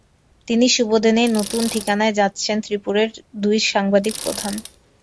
এই শুভদিনেই নতুন ঠিকানায় যাচ্ছেন ত্রিপুরার দুই সাংবিধানিক প্রধান।